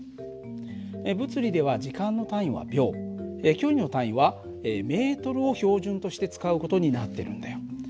物理では時間の単位は秒距離の単位はｍを標準として使う事になってるんだよ。